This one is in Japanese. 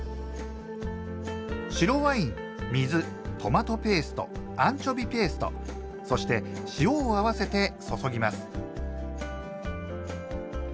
白ワイン水トマトペーストアンチョビペーストそして塩を合わせて注ぎます。